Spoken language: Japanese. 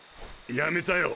やめたよ。